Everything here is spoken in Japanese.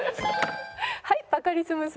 はいバカリズムさん。